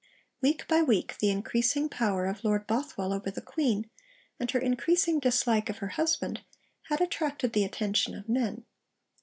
Week by week, the increasing power of Lord Bothwell over the Queen, and her increasing dislike of her husband, had attracted the attention of men.